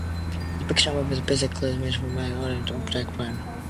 The spectrum of its basic colors ranges from matt ocher to dark brown.